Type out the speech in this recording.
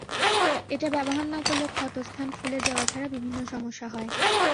এটা ব্যবহার না করলে ক্ষতস্থান ফুলে যাওয়া ছাড়া বিভিন্ন সমস্যা হয়।